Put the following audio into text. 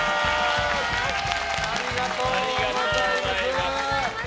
ありがとうございます。